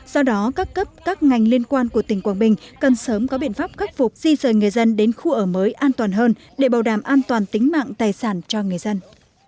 do đó các cấp các ngành liên quan của tỉnh quảng bình cần sớm có biện pháp khắc phục di rời người dân đến khu ở mới an toàn hơn để bảo đảm an toàn tính mạng tài sản cho người dân